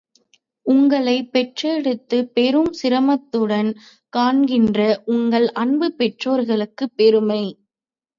உங்களைப் பெற்றெடுத்துப் பெரும் சிரமத்துடன் காக்கின்ற உங்கள் அன்பு பெற்றோர்களுக்கும் பெருமை.